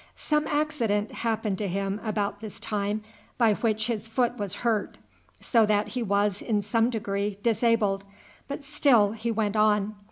Some accident happened to him about this time by which his foot was hurt, so that he was, in some degree, disabled, but still he went on.